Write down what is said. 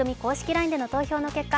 ＬＩＮＥでの投票の結果